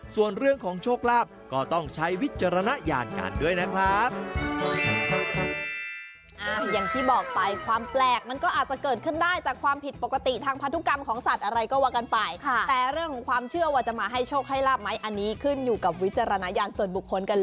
ส่วนเรื่องของโชคลาภก็ต้องใช้วิจารณญาณกันด้วยนะครับ